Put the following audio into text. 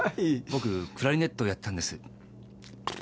僕クラリネットやってたんです。